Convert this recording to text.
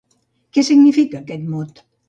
Què significa aquest mot?